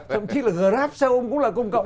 thậm chí là grab xe ôm cũng là công cộng